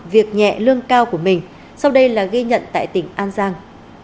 việc nhẹ lương cao của mình sau đây là ghi nhận tại tỉnh an giang